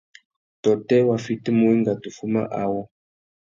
Tôtê wa fitimú wenga tu fuma awô.